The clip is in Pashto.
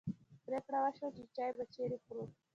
پرېکړه وشوه چې چای به چیرې خورو.